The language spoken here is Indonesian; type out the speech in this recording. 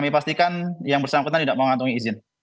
dipastikan yang bersangkutan tidak mengantongi izin